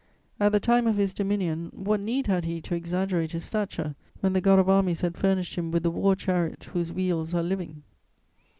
At the time of his dominion, what need had he to exaggerate his stature, when the God of Armies had furnished him with the war chariot "whose wheels are living"?